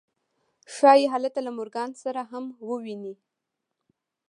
ښایي هلته له مورګان سره هم وویني